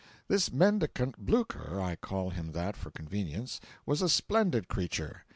This mendicant Blucher—I call him that for convenience—was a splendid creature.